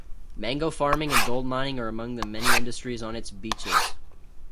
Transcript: Mango farming and gold mining are among the many industries on its beaches.